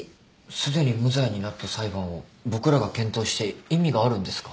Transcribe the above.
すでに無罪になった裁判を僕らが検討して意味があるんですか？